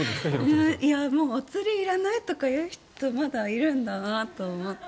お釣りいらないとか言う人まだいるんだなと思って。